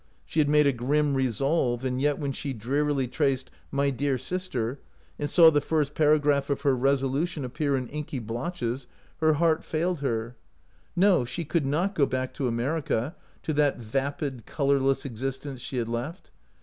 She had made a grim resolve, and yet when she drearily traced " My dear sister," and saw the first paragraph of her resolution appear in inky blotches, her heart failed her. No, she could not go back to America, to that vapid, colorless existence she had left.